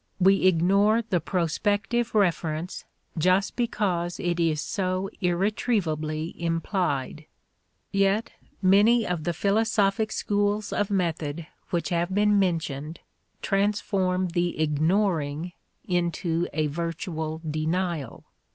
We ignore the prospective reference just because it is so irretrievably implied. Yet many of the philosophic schools of method which have been mentioned transform the ignoring into a virtual denial.